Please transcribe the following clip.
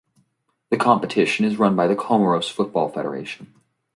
The competition is run by the Comoros Football Federation.